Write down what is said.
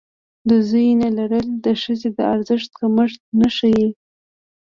د زوی نه لرل د ښځې د ارزښت کمښت نه ښيي.